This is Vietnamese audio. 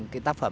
cái tác phẩm